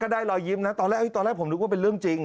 กระดายหล่อยยิ้มตอนแรกผมที่ตอนแรกดูว่าเป็นเรื่องจริง